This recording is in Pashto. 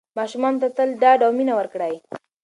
ماشومانو ته تل ډاډ او مینه ورکړئ.